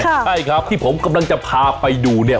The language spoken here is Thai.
ใช่ครับที่ผมกำลังจะพาไปดูเนี่ย